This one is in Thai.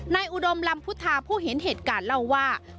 อุดมลำพุทธาผู้เห็นเหตุการณ์เล่าว่า